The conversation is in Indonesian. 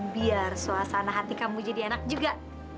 biar suasana hati kamu jadi enak juga